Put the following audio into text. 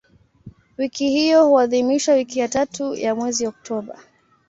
Wiki hiyo huadhimishwa wiki ya tatu ya mwezi Oktoba.